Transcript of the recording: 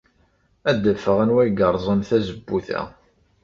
Ad d-afeɣ anwa ay yerẓan tazewwut-a.